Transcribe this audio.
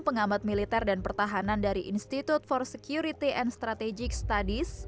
pengamat militer dan pertahanan dari institute for security and strategic studies